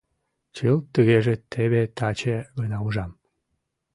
— Чылт тыгеже теве таче гына ужам...